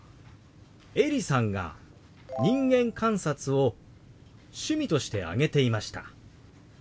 エリさんが「人間観察」を趣味として挙げていました。